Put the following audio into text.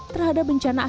terhadap bencana angin